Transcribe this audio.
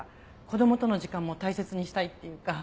子供との時間も大切にしたいっていうか。